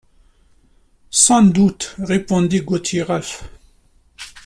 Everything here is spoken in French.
Sans doute, répondit Gauthier Ralph.